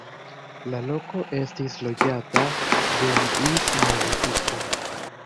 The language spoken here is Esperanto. La loko estis loĝata dum ls neolitiko.